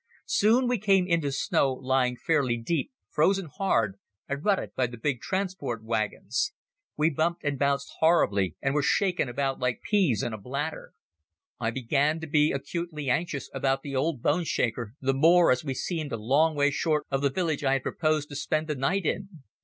Soon we came into snow lying fairly deep, frozen hard and rutted by the big transport wagons. We bumped and bounced horribly, and were shaken about like peas in a bladder. I began to be acutely anxious about the old boneshaker, the more as we seemed a long way short of the village I had proposed to spend the night in.